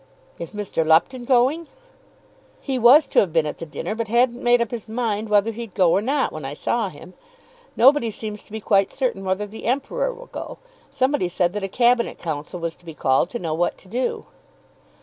"Is Mr. Lupton going?" "He was to have been at the dinner, but hadn't made up his mind whether he'd go or not when I saw him. Nobody seems to be quite certain whether the Emperor will go. Somebody said that a Cabinet Council was to be called to know what to do."